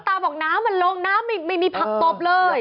บอกน้ำมันลงน้ำไม่มีผักตบเลย